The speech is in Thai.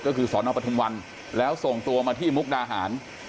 ก็คือสพวแล้วส่งตัวมาที่มุกดาหาร